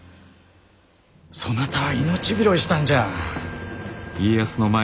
そなたは命拾いしたんじゃ。